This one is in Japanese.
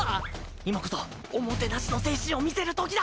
今こそおもてなしの精神を見せるときだ。